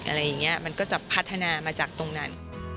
อะไรอย่างนี้มันก็จะพัฒนามาจากตรงนั้น